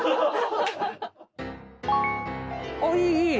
あっいいいい！